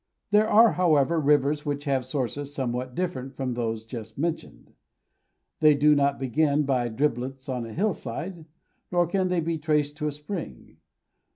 There are, however, rivers which have sources somewhat different from those just mentioned. They do not begin by driblets on a hillside, nor can they be traced to a spring.